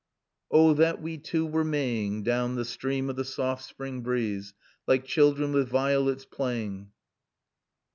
"'Oh, that we two oo were May ing Down the stream of the so oft spring breeze, Like children with vi olets pla aying.'"